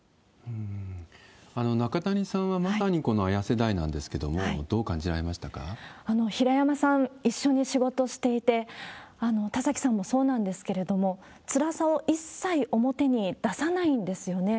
中谷さんはまさにこのＡＹＡ世代なんですけれども、どう感じ平山さん、一緒に仕事していて、田崎さんもそうなんですけれども、つらさを一切表に出さないんですよね。